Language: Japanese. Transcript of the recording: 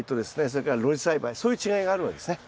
それから露地栽培そういう違いがあるわけですね。